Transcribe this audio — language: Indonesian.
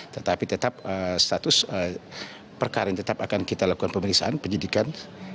tetapi tetap status perkara ini tetap akan kita lakukan pemeriksaan penyidikan